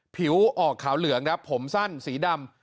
ผิวออกขาวเหลืองครับผมสั้นสีดำ